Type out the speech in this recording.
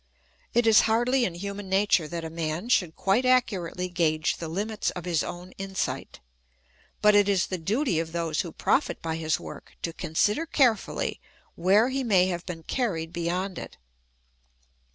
It is hardly in human nature that a man should quite accurately gauge the Hmits of his own insight ; but it is the duty of those who profit by his work to consider carefully where he may have been carried beyond it.